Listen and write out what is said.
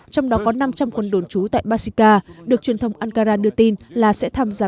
trong đó có năm trăm linh quân đồn trú tại basika được truyền thông ankara đưa tin là sẽ tham gia